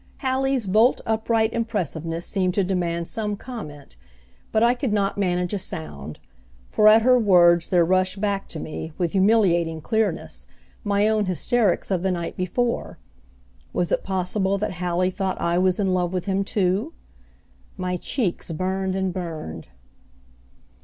Hallie's bolt upright impressiveness seemed to demand some comment, but I could not manage a sound; for at her words there rushed back to me, with humiliating clearness, my own hysterics of the night before. Was it possible that Hallie thought I was in love with him, too? My cheeks burned and burned.